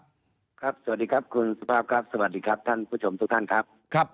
สวัสดีครับคุณสุภาพครับสวัสดีครับท่านผู้ชมทุกท่านครับ